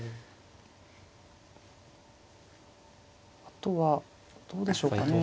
あとはどうでしょうかね。